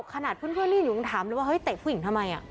ขนาดเพื่อนยืนอยู่ยังถามเลยว่าเฮ้ยเตะผู้หญิงทำไม